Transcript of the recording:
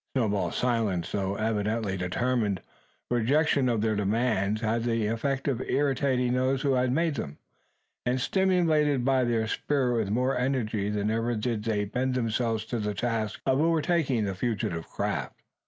Snowball's silent, though evidently determined, rejection of their demands had the effect of irritating those who had made them; and stimulated by their spite with more energy than ever did they bend themselves to the task of overtaking the fugitive craft.